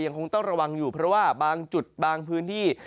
คงต้องระวังอยู่เพราะว่าบางจุดบางพื้นที่